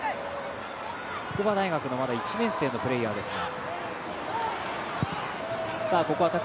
筑波大学のまだ１年生のプレーヤーですが。